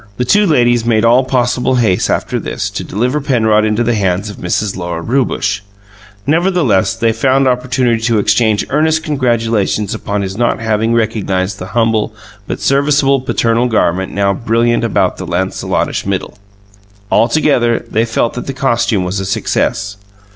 The two ladies made all possible haste, after this, to deliver Penrod into the hands of Mrs. Lora Rewbush; nevertheless, they found opportunity to exchange earnest congratulations upon his not having recognized the humble but serviceable paternal garment now brilliant about the Lancelotish middle. Altogether, they felt that the costume was a success.